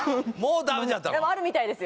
でもあるみたいですよ